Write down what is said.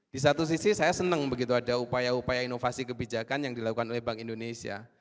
di satu sisi saya senang begitu ada upaya upaya inovasi kebijakan yang dilakukan oleh bank indonesia